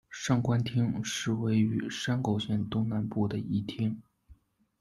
上关町是位于山口县东南部的一町。